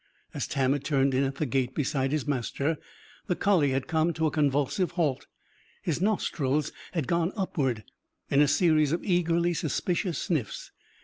As Tam had turned in at the gate beside his master, the collie had come to a convulsive halt. His nostrils had gone upward in a series of eagerly suspicious sniffs.